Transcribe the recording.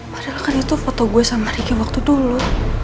padahal kan itu foto gue sama ricky waktu dulu